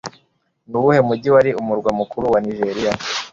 Nuwuhe mujyi wari Umurwa mukuru wa Nijeriya